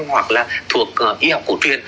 hoặc là thuộc ý học cổ truyền